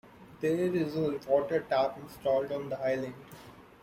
There is a water tap installed on the island.